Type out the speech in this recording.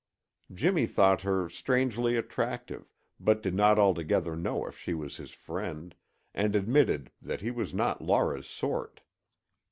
Jimmy thought her strangely attractive, but did not altogether know if she was his friend, and admitted that he was not Laura's sort.